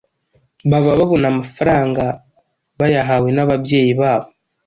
Baba babona amafaranga bayahawe n’ababyeyi babo